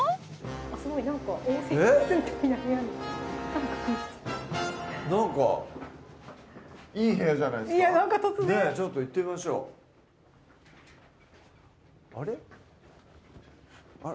すごいなんか応接室みたいな部屋になんかいい部屋じゃないですかなんか突然ちょっと行ってみましょうあれっ？